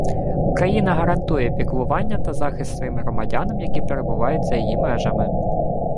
Україна гарантує піклування та захист своїм громадянам, які перебувають за її межами